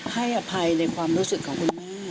ให้อภัยในความรู้สึกของคุณแม่